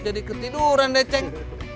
jadi ketiduran deh ceng